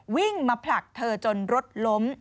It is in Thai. วิ่งมาผลักเธอจนรถล้ม